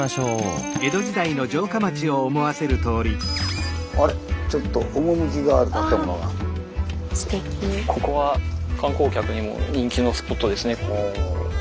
ここは観光客にも人気のスポットですね。